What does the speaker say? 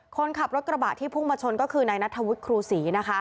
คนขับรถกระบะที่พุ่งมาชนก็คือนายนัทธวุฒิครูศรี